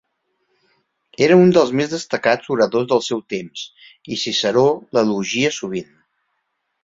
Era un dels més destacats oradors del seu temps, i Ciceró l'elogia sovint.